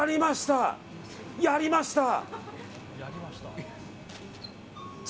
やりました！